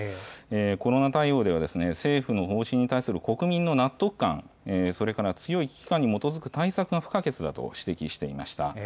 コロナ対応では、政府の方針に対する国民の納得感、それから強い危機感に基づく対策が不可欠だと指摘していました。